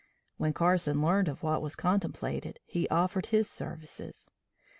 When Carson learned of what was contemplated, he offered his services.